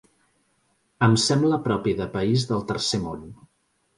Em sembla propi de país del tercer món.